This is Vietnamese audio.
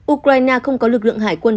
ukraine không có lực lượng hải quân